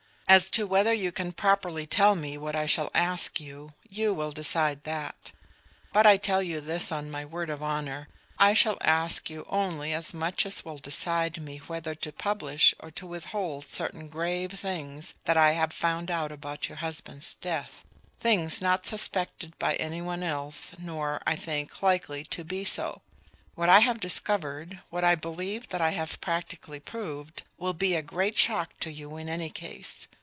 As to whether you can properly tell me what I shall ask you, you will decide that; but I tell you this on my word of honor: I shall ask you only as much as will decide me whether to publish or to withhold certain grave things that I have found out about your husband's death, things not suspected by any one else, nor, I think, likely to be so. What I have discovered what I believe that I have practically proved will be a great shock to you in any case.